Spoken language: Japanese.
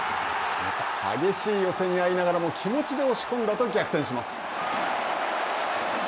激しい寄せに合いながらも気持ちで押し込んだと逆転します。